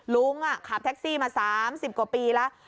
ลุงขับแท็กซี่มา๓๐กว่าปีแล้ว